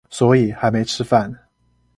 所以還沒吃飯